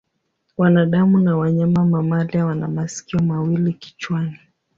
Wanadamu na wanyama mamalia wana masikio mawili kichwani.